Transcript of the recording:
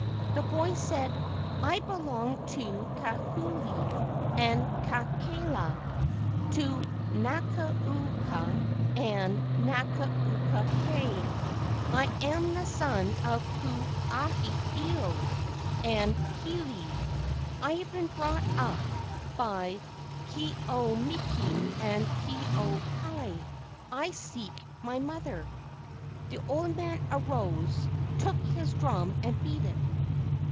The boy said: "I belong to Kahuli and Kakela, to Nakula uka and Nakula kai. I am the son of Ku aha ilo and Hiilei. I have been brought up by Ke au miki and Ke au kai. I seek my mother." The old man arose, took his drum and beat it.